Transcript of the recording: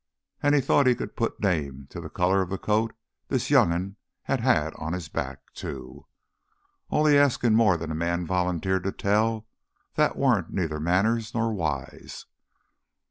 An' he thought he could put name to the color of coat this young'un had had on his back, too. Only askin' more than a man volunteered to tell, that warn't neither manners nor wise.